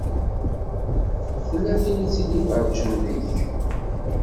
Tella tin i d-ittfeṛṛiǧen deg-k.